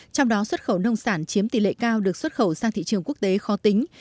trong đó xuất khẩu nông sản chiếm tỷ lệ cao được xuất khẩu sang thị trường quốc tế khó tính